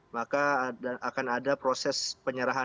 maka akan ada proses penyerahan